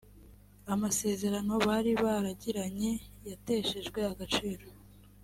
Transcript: amasezerano bari baragiranye yateshejwe agaciro